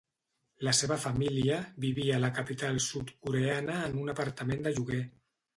La seva família vivia a la capital sud-coreana en un apartament de lloguer.